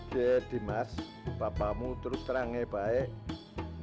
jadi mas bapakmu terus terangnya baik